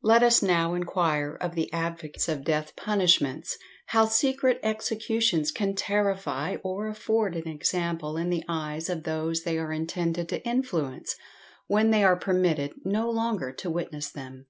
Let us now enquire of the advocates of death punishments how secret executions can terrify or afford an example in the eyes of those they are intended to influence, when they are permitted no longer to witness them?